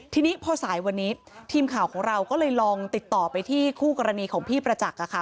ทีนี้พอสายวันนี้ทีมข่าวของเราก็เลยลองติดต่อไปที่คู่กรณีของพี่ประจักษ์ค่ะ